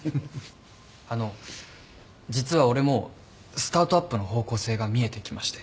あの実は俺もスタートアップの方向性が見えてきまして。